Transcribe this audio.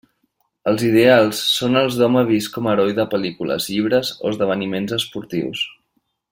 Els ideals són els d'home vist com a heroi de pel·lícules, llibres o esdeveniments esportius.